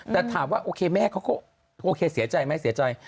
แต่ถามว่าโอเคแม่เขาโอเคเสียใจไหม